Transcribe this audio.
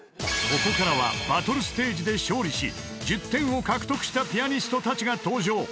［ここからはバトルステージで勝利し１０点を獲得したピアニストたちが登場］